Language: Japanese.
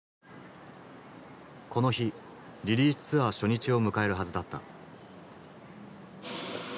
この日リリースツアー初日を迎えるはずだった。